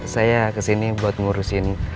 saya kesini buat ngurusin